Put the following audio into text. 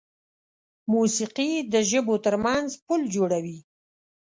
موسیقي د ژبو تر منځ پل جوړوي.